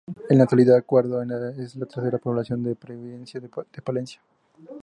En la actualidad Guardo es la tercera población de la provincia de Palencia.